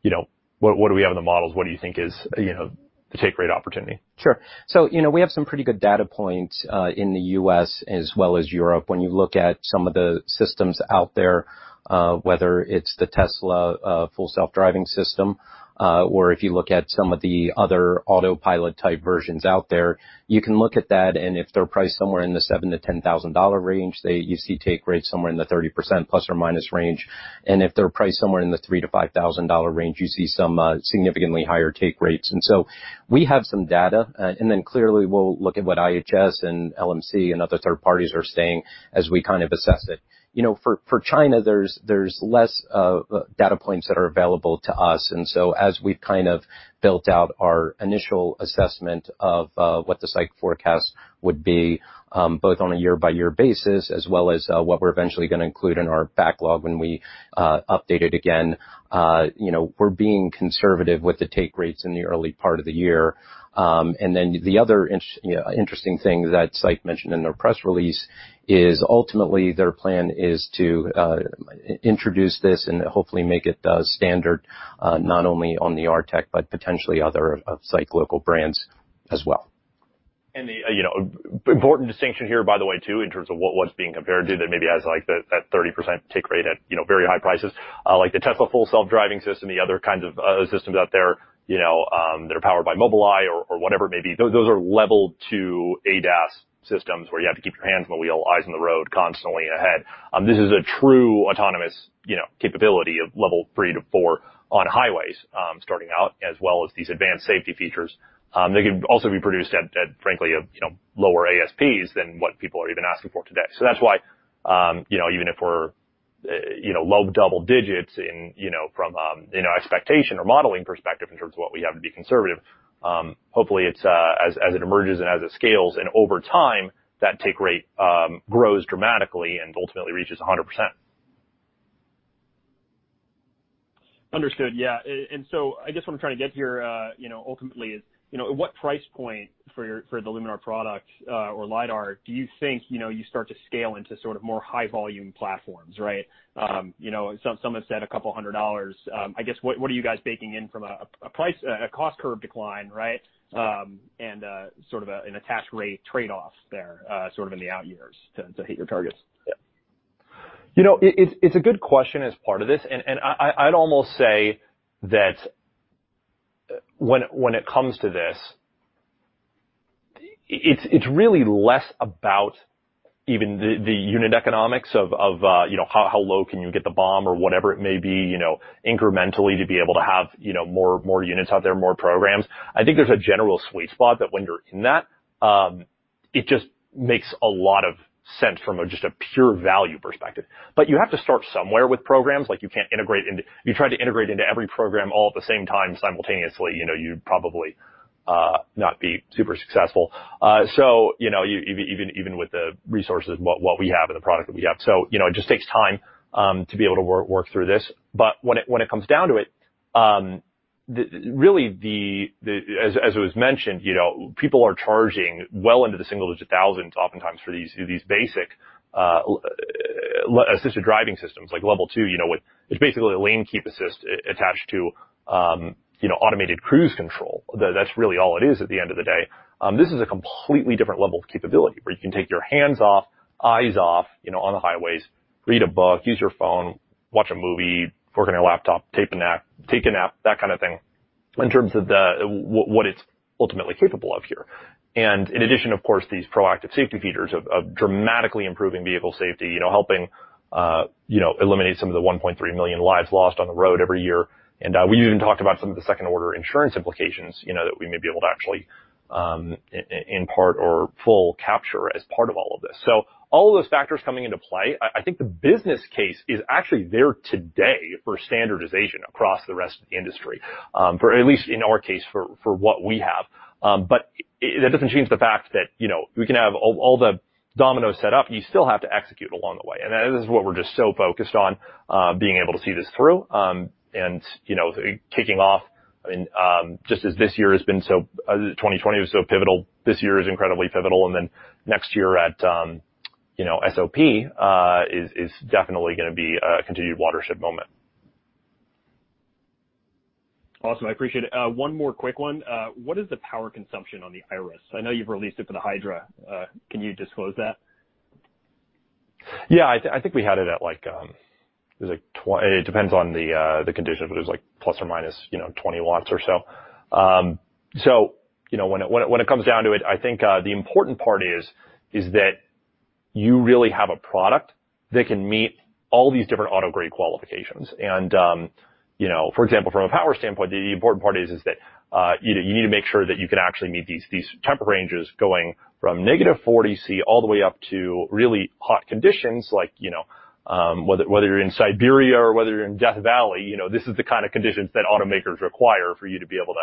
you know, what do we have in the models? What do you think is, you know, the take rate opportunity? Sure. So, you know, we have some pretty good data points in the U.S. as well as Europe. When you look at some of the systems out there, whether it's the Tesla Full Self-Driving system or if you look at some of the other Autopilot type versions out there, you can look at that. If they're priced somewhere in the $7,000-$10,000 range, you see take rates somewhere in the 30% plus or minus range. If they're priced somewhere in the $3,000-$5,000 range, you see some significantly higher take rates. We have some data. Clearly we'll look at what IHS and LMC and other third parties are saying as we kind of assess it. You know, for China, there's less data points that are available to us. As we have kind of built out our initial assessment of what the SAIC forecast would be, both on a year-by-year basis as well as what we are eventually going to include in our backlog when we update it again, you know, we are being conservative with the take rates in the early part of the year. The other interesting thing that SAIC mentioned in their press release is ultimately their plan is to introduce this and hopefully make it standard not only on the R brand, but potentially other SAIC local brands as well. The, you know, important distinction here, by the way, too, in terms of what's being compared to that maybe has like that 30% take rate at, you know, very high prices, like the Tesla Full Self-Driving system, the other kinds of systems out there, you know, that are powered by Mobileye or whatever, maybe those are level two ADAS systems where you have to keep your hands on the wheel, eyes on the road constantly ahead. This is a true autonomous, you know, capability of level three to four on highways starting out, as well as these advanced safety features. They can also be produced at, frankly, you know, lower ASPs than what people are even asking for today. That's why, you know, even if we're, you know, low double digits in, you know, from an expectation or modeling perspective in terms of what we have to be conservative, hopefully it's as it emerges and as it scales and over time that take rate grows dramatically and ultimately reaches 100%. Understood. Yeah. I guess what I'm trying to get here, you know, ultimately is, you know, at what price point for the Luminar product or LiDAR do you think, you know, you start to scale into sort of more high volume platforms, right? You know, some have said a couple hundred dollars. I guess what are you guys baking in from a cost curve decline, right? And sort of an attach rate trade-off there sort of in the out years to hit your targets? You know, it's a good question as part of this. I'd almost say that when it comes to this, it's really less about even the unit economics of, you know, how low can you get the BOM or whatever it may be, you know, incrementally to be able to have, you know, more units out there, more programs. I think there's a general sweet spot that when you're in that, it just makes a lot of sense from just a pure value perspective. But you have to start somewhere with programs. Like you can't integrate into, if you tried to integrate into every program all at the same time simultaneously, you know, you'd probably not be super successful. You know, even with the resources and what we have and the product that we have. You know, it just takes time to be able to work through this. But when it comes down to it, really, as it was mentioned, you know, people are charging well into the single digit thousands oftentimes for these basic assisted driving systems like level two, you know, with it's basically a lane keep assist attached to, you know, automated cruise control. That's really all it is at the end of the day. This is a completely different level of capability where you can take your hands off, eyes off, you know, on the highways, read a book, use your phone, watch a movie, work on your laptop, take a nap, that kind of thing in terms of what it's ultimately capable of here. In addition, of course, these proactive safety features of dramatically improving vehicle safety, you know, helping, you know, eliminate some of the 1.3 million lives lost on the road every year. We've even talked about some of the second order insurance implications, you know, that we may be able to actually in part or full capture as part of all of this. All of those factors coming into play, I think the business case is actually there today for standardization across the rest of the industry, at least in our case for what we have. That does not change the fact that, you know, we can have all the dominoes set up, you still have to execute along the way. This is what we are just so focused on, being able to see this through. You know, kicking off, I mean, just as this year has been so, 2020 was so pivotal, this year is incredibly pivotal. Next year at, you know, SOP is definitely going to be a continued watershed moment. Awesome. I appreciate it. One more quick one. What is the power consumption on the Iris? I know you have released it for the Hydra. Can you disclose that? Yeah, I think we had it at like, it was like 20, it depends on the conditions, but it was like plus or minus, you know, 20 watts or so. You know, when it comes down to it, I think the important part is that you really have a product that can meet all these different auto-grade qualifications. You know, for example, from a power standpoint, the important part is that you need to make sure that you can actually meet these temperature ranges going from -40 degrees Celsius all the way up to really hot conditions, like, you know, whether you're in Siberia or whether you're in Death Valley, you know, this is the kind of conditions that automakers require for you to be able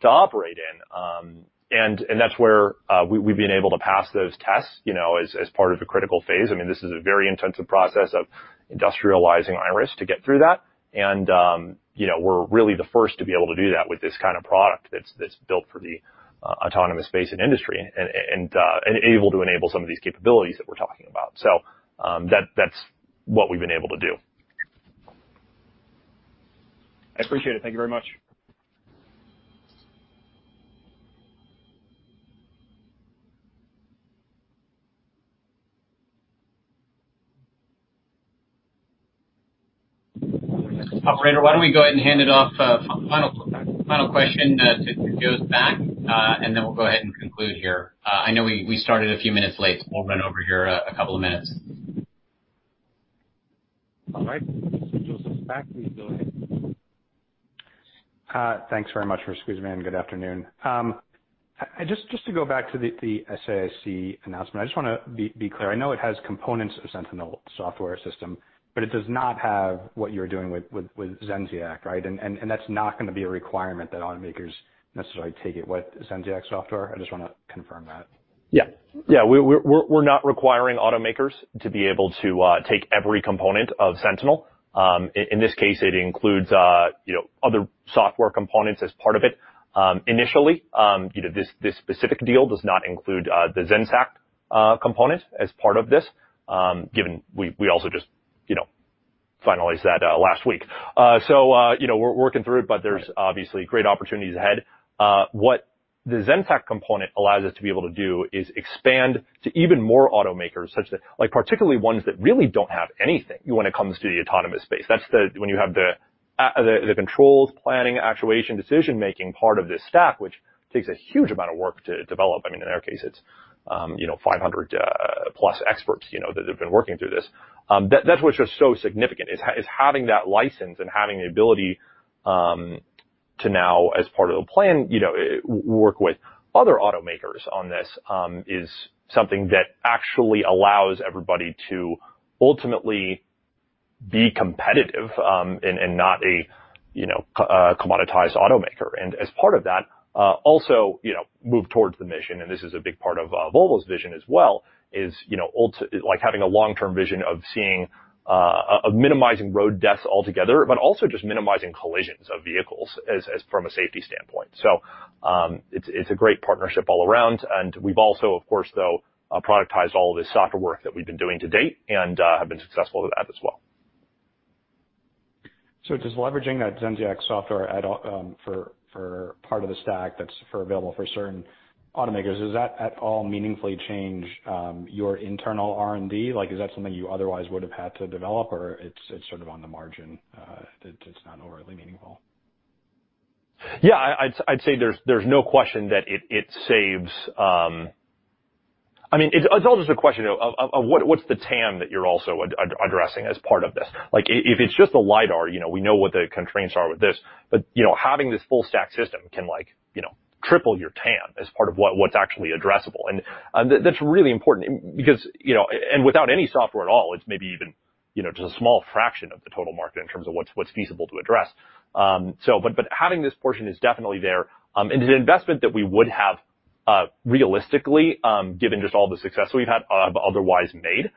to operate in. That's where we've been able to pass those tests, you know, as part of a critical phase. I mean, this is a very intensive process of industrializing Iris to get through that. You know, we're really the first to be able to do that with this kind of product that's built for the autonomous space and industry and able to enable some of these capabilities that we're talking about. That's what we've been able to do. I appreciate it. Thank you very much. Operator, why don't we go ahead and hand it off? Final question to Joseph Back, and then we'll go ahead and conclude here. I know we started a few minutes late. We'll run over here a couple of minutes. All right. Joseph Back, please go ahead. Thanks very much for squeezing me in. Good afternoon. Just to go back to the SAIC announcement, I just want to be clear. I know it has components of the Sentinel software system, but it does not have what you're doing with Zenseact, right? And that's not going to be a requirement that automakers necessarily take it with Zenseact software. I just want to confirm that. Yeah. Yeah, we're not requiring automakers to be able to take every component of Sentinel. In this case, it includes, you know, other software components as part of it. Initially, you know, this specific deal does not include the Zenseact component as part of this, given we also just, you know, finalized that last week. You know, we're working through it, but there's obviously great opportunities ahead. What the Zenseact component allows us to be able to do is expand to even more automakers, such that like particularly ones that really don't have anything when it comes to the autonomous space. That's when you have the controls, planning, actuation, decision-making part of this stack, which takes a huge amount of work to develop. I mean, in our case, it's, you know, 500 plus experts, you know, that have been working through this. That's what's just so significant is having that license and having the ability to now, as part of the plan, you know, work with other automakers on this is something that actually allows everybody to ultimately be competitive and not a, you know, commoditized automaker. As part of that, also, you know, move towards the mission. This is a big part of Volvo's vision as well is, you know, like having a long-term vision of seeing minimizing road deaths altogether, but also just minimizing collisions of vehicles from a safety standpoint. It's a great partnership all around. We've also, of course, though, productized all of this software work that we've been doing to date and have been successful with that as well. Just leveraging that Zenseact software for part of the stack that's available for certain automakers, does that at all meaningfully change your internal R&D? Like, is that something you otherwise would have had to develop or it's sort of on the margin? It's not overly meaningful. Yeah, I'd say there's no question that it saves. I mean, it's all just a question of what's the TAM that you're also addressing as part of this. Like if it's just the LiDAR, you know, we know what the constraints are with this. But, you know, having this full stack system can, like, you know, triple your TAM as part of what's actually addressable. That's really important because, you know, and without any software at all, it's maybe even, you know, just a small fraction of the total market in terms of what's feasible to address. Having this portion is definitely there. It's an investment that we would have realistically given just all the success we've had, have otherwise made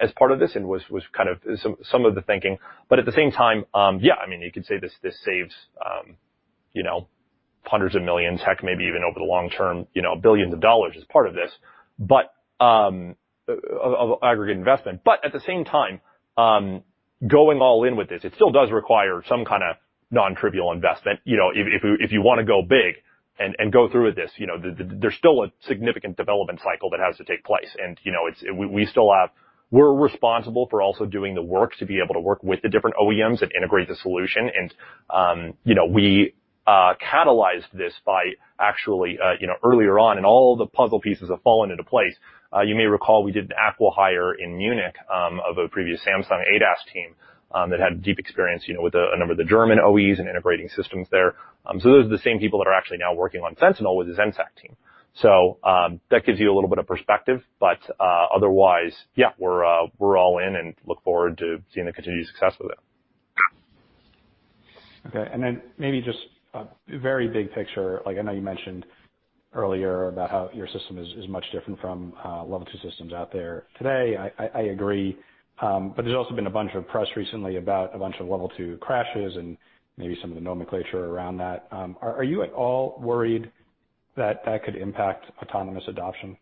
as part of this and was kind of some of the thinking. At the same time, yeah, I mean, you could say this saves, you know, hundreds of millions, heck, maybe even over the long term, you know, billions of dollars as part of this aggregate investment. At the same time, going all in with this, it still does require some kind of non-trivial investment, you know, if you want to go big and go through with this, you know, there's still a significant development cycle that has to take place. You know, we still have, we're responsible for also doing the work to be able to work with the different OEMs and integrate the solution. You know, we catalyzed this by actually, you know, earlier on and all the puzzle pieces have fallen into place. You may recall we did an acqui-hire in Munich of a previous Samsung ADAS team that had deep experience, you know, with a number of the German OEMs and integrating systems there. Those are the same people that are actually now working on Sentinel with the Zenseact team. That gives you a little bit of perspective. Otherwise, yeah, we're all in and look forward to seeing the continued success with it. Okay. And then maybe just a very big picture. Like I know you mentioned earlier about how your system is much different from level two systems out there today. I agree. There has also been a bunch of press recently about a bunch of level two crashes and maybe some of the nomenclature around that. Are you at all worried that that could impact autonomous adoption?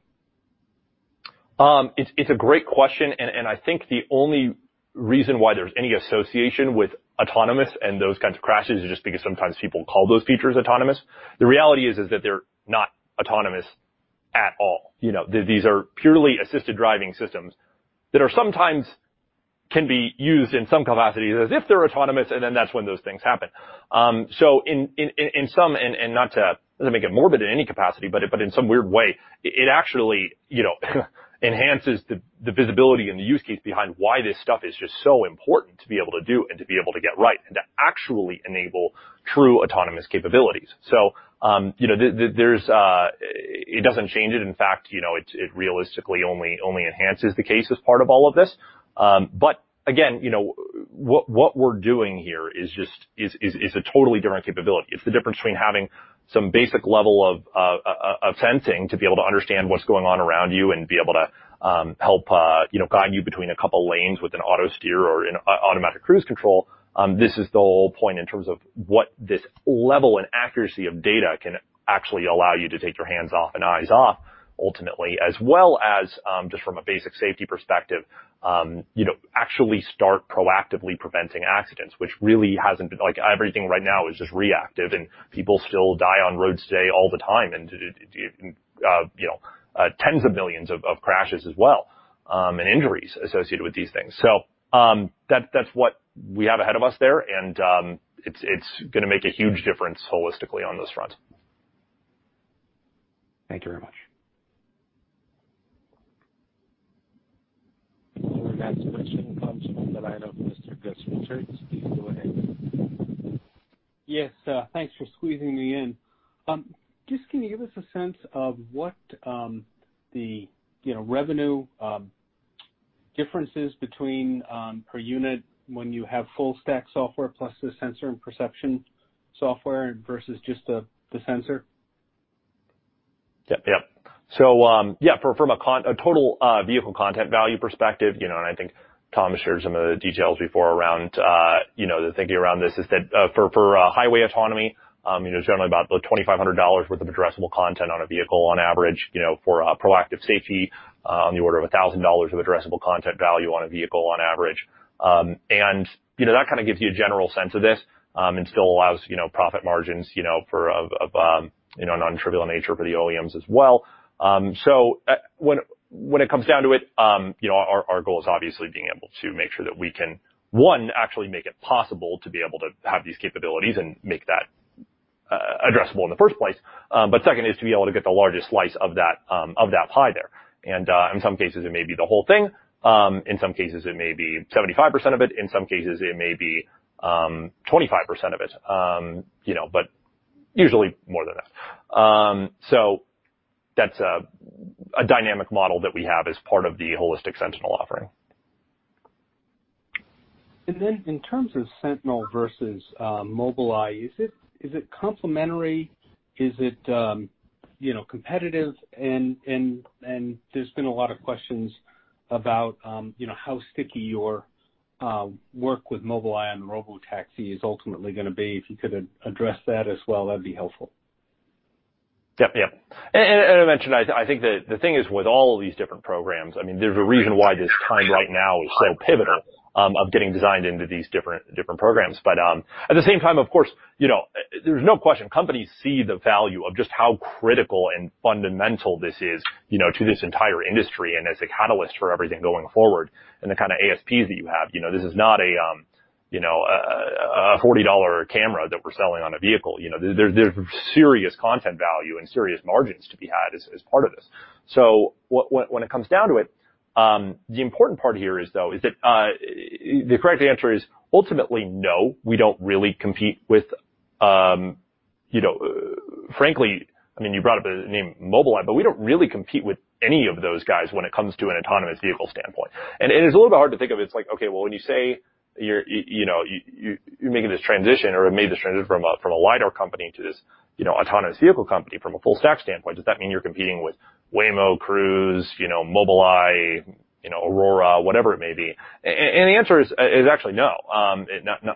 It's a great question. I think the only reason why there's any association with autonomous and those kinds of crashes is just because sometimes people call those features autonomous. The reality is that they're not autonomous at all. You know, these are purely assisted driving systems that sometimes can be used in some capacities as if they're autonomous and then that's when those things happen. In some, and not to make it morbid in any capacity, but in some weird way, it actually, you know, enhances the visibility and the use case behind why this stuff is just so important to be able to do and to be able to get right and to actually enable true autonomous capabilities. You know, it doesn't change it. In fact, it realistically only enhances the case as part of all of this. Again, you know, what we're doing here is just a totally different capability. It's the difference between having some basic level of sensing to be able to understand what's going on around you and be able to help, you know, guide you between a couple of lanes with an auto steer or an automatic cruise control. This is the whole point in terms of what this level and accuracy of data can actually allow you to take your hands off and eyes off ultimately, as well as just from a basic safety perspective, you know, actually start proactively preventing accidents, which really hasn't been like everything right now is just reactive and people still die on roads today all the time and, you know, tens of millions of crashes as well and injuries associated with these things. That's what we have ahead of us there and it's going to make a huge difference holistically on those fronts. Thank you very much. Anyone got questions on some of the items, Mr. Gus Richards? Please go ahead. Yes. Thanks for squeezing me in. Just can you give us a sense of what the, you know, revenue differences between per unit when you have full stack software plus the sensor and perception software versus just the sensor? Yep. Yep. So yeah, from a total vehicle content value perspective, you know, and I think Tom shared some of the details before around, you know, the thinking around this is that for highway autonomy, you know, generally about $2,500 worth of addressable content on a vehicle on average, you know, for proactive safety on the order of $1,000 of addressable content value on a vehicle on average. You know, that kind of gives you a general sense of this and still allows, you know, profit margins, you know, for, you know, non-trivial nature for the OEMs as well. When it comes down to it, you know, our goal is obviously being able to make sure that we can, one, actually make it possible to be able to have these capabilities and make that addressable in the first place. Second is to be able to get the largest slice of that pie there. In some cases, it may be the whole thing. In some cases, it may be 75% of it. In some cases, it may be 25% of it, you know, but usually more than that. That is a dynamic model that we have as part of the holistic Sentinel offering. In terms of Sentinel versus Mobileye, is it complimentary? Is it, you know, competitive? There has been a lot of questions about, you know, how sticky your work with Mobileye on the robotaxi is ultimately going to be. If you could address that as well, that would be helpful. Yep. Yep. I mentioned, I think the thing is with all of these different programs, I mean, there's a reason why this time right now is so pivotal of getting designed into these different programs. At the same time, of course, you know, there's no question companies see the value of just how critical and fundamental this is, you know, to this entire industry and as a catalyst for everything going forward and the kind of ASPs that you have. You know, this is not a, you know, a $40 camera that we're selling on a vehicle. You know, there's serious content value and serious margins to be had as part of this. When it comes down to it, the important part here is though, is that the correct answer is ultimately no, we do not really compete with, you know, frankly, I mean, you brought up the name Mobileye, but we do not really compete with any of those guys when it comes to an autonomous vehicle standpoint. It is a little bit hard to think of. It is like, okay, well, when you say you are, you know, you are making this transition or have made this transition from a LiDAR company to this, you know, autonomous vehicle company from a full stack standpoint, does that mean you are competing with Waymo, Cruise, you know, Mobileye, you know, Aurora, whatever it may be? The answer is actually no,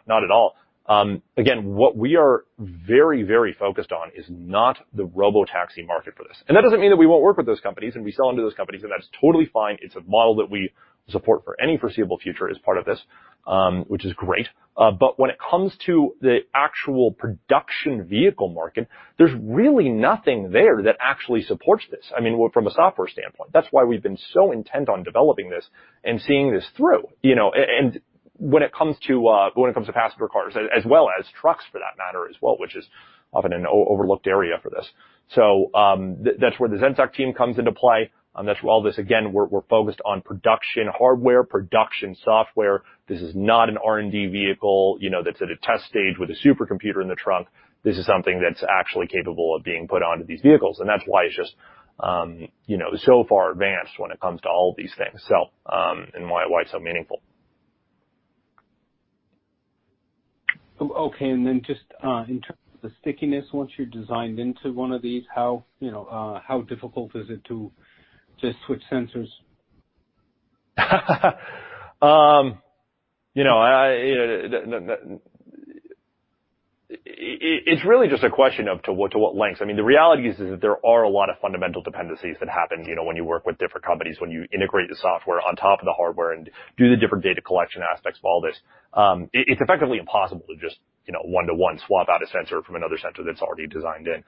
not at all. Again, what we are very, very focused on is not the robotaxi market for this. That does not mean that we will not work with those companies and we sell into those companies and that is totally fine. It is a model that we support for any foreseeable future as part of this, which is great. When it comes to the actual production vehicle market, there is really nothing there that actually supports this. I mean, from a software standpoint, that is why we have been so intent on developing this and seeing this through, you know, and when it comes to, when it comes to passenger cars as well as trucks for that matter as well, which is often an overlooked area for this. That is where the Zenseact team comes into play. That is where all this, again, we are focused on production hardware, production software. This is not an R&D vehicle, you know, that is at a test stage with a supercomputer in the trunk. This is something that's actually capable of being put onto these vehicles. That's why it's just, you know, so far advanced when it comes to all of these things, and why it's so meaningful. Okay. And then just in terms of the stickiness, once you're designed into one of these, how, you know, how difficult is it to just switch sensors? You know, it's really just a question of to what lengths. I mean, the reality is that there are a lot of fundamental dependencies that happen, you know, when you work with different companies, when you integrate the software on top of the hardware and do the different data collection aspects of all this. It's effectively impossible to just, you know, one-to-one swap out a sensor from another sensor that's already designed in.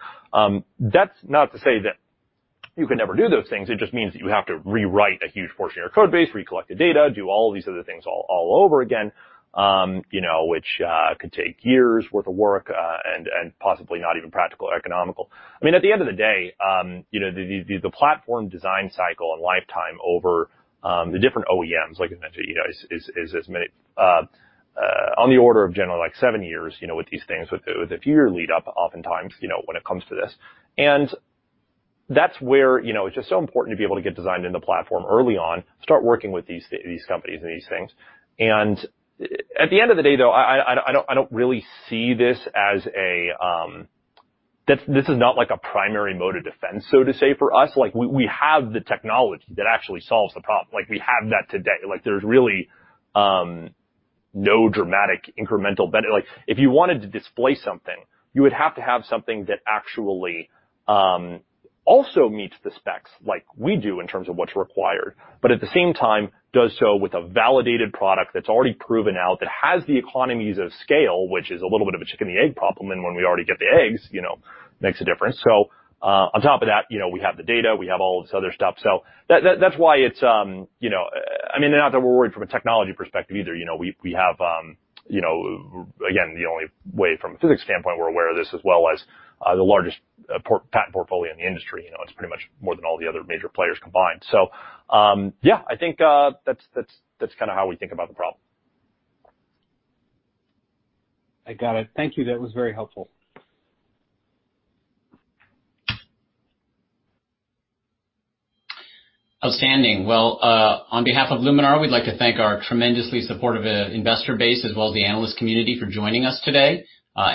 That's not to say that you can never do those things. It just means that you have to rewrite a huge portion of your code base, recollect the data, do all of these other things all over again, you know, which could take years' worth of work and possibly not even practical or economical. I mean, at the end of the day, you know, the platform design cycle and lifetime over the different OEMs, like I mentioned, you know, is as many on the order of generally like seven years, you know, with these things with a few year lead up oftentimes, you know, when it comes to this. That's where, you know, it's just so important to be able to get designed in the platform early on, start working with these companies and these things. At the end of the day though, I don't really see this as a, this is not like a primary mode of defense, so to say, for us. Like we have the technology that actually solves the problem. Like we have that today. Like there's really no dramatic incremental benefit. Like if you wanted to display something, you would have to have something that actually also meets the specs like we do in terms of what's required, but at the same time does so with a validated product that's already proven out that has the economies of scale, which is a little bit of a chicken and the egg problem. When we already get the eggs, you know, makes a difference. On top of that, you know, we have the data, we have all this other stuff. That's why it's, you know, I mean, not that we're worried from a technology perspective either. You know, we have, you know, again, the only way from a physics standpoint we're aware of this as well as the largest patent portfolio in the industry. You know, it's pretty much more than all the other major players combined. Yeah, I think that's kind of how we think about the problem. I got it. Thank you. That was very helpful. Outstanding. On behalf of Luminar, we'd like to thank our tremendously supportive investor base as well as the analyst community for joining us today.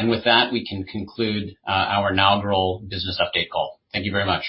With that, we can conclude our inaugural business update call. Thank you very much.